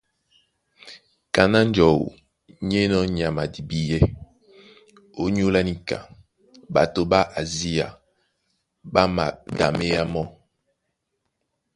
Kaná njɔu ní enɔ́ nyama a dibíɛ́, ónyólá níka ɓato ɓá Asia ɓá maɗaméá mɔ́.